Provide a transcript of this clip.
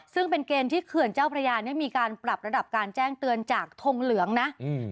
ซึ่งเป็นเกณฑ์ที่เขื่อนเจ้าพระยาเนี่ยมีการปรับระดับการแจ้งเตือนจากทงเหลืองนะอืม